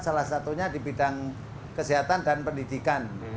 salah satunya di bidang kesehatan dan pendidikan